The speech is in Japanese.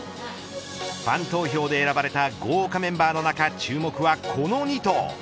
ファン投票で選ばれた豪華メンバーの中、注目はこの２頭。